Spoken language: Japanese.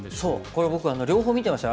これ僕は両方見てました。